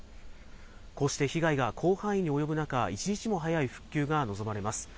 こうして被害が広範囲に及ぶ中、一日も早い復旧が望まれます。